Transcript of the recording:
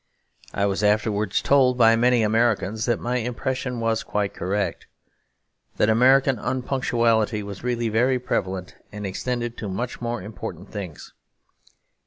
I was afterwards told by many Americans that my impression was quite correct; that American unpunctuality was really very prevalent, and extended to much more important things.